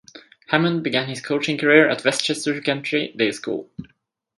Hammond began his coaching career at Westchester Country Day School.